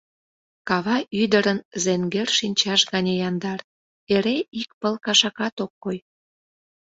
Кава ӱдырын зӓнгӓр шинчаж гане яндар, эре, ик пыл кашакат ок кой.